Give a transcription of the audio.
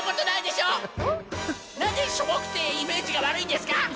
なんでしょぼくてイメージがわるいんですか！？